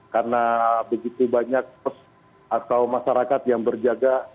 karena begitu banyak pos atau masyarakat yang berjaga